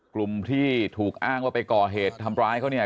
กลุ่มที่ถูกอ้างว่าไปก่อเหตุทำร้ายเขาเนี่ย